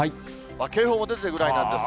警報が出るぐらいなんですが。